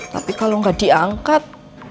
tapi kalau gak diangkat